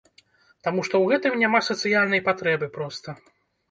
Таму што ў гэтым няма сацыяльнай патрэбы проста.